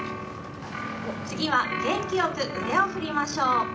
次は元気よく腕を振りましょう。